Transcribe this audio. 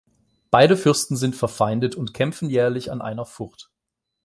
Beide Fürsten sind verfeindet und kämpfen jährlich an einer Furt.